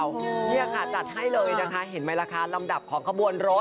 นี่ค่ะจัดให้เลยนะคะเห็นไหมล่ะคะลำดับของขบวนรถ